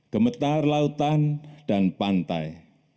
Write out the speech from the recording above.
gemetar lautan dan pantai